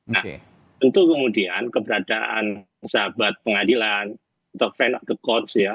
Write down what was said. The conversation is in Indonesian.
nah tentu kemudian keberadaan sahabat pengadilan atau fans of the courts ya